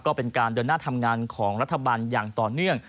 ก็เป็นการเดินหน้าทำงานของรัฐบาลอย่างต่อเนื่อง